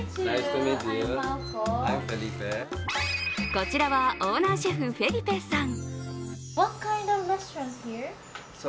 こちらはオーナーシェフ・フェリペさん。